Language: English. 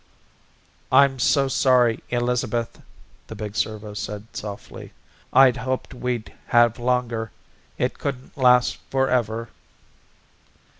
"I'm so sorry, Elizabeth," the big servo said softly. "I'd hoped we'd have longer. It couldn't last forever."